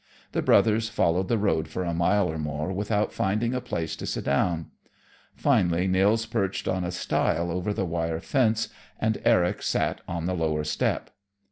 The brothers followed the road for a mile or more without finding a place to sit down. Finally Nils perched on a stile over the wire fence, and Eric sat on the lower step.